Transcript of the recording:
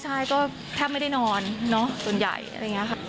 ใช่ก็แทบไม่ได้นอนเนอะส่วนใหญ่อะไรอย่างนี้ค่ะ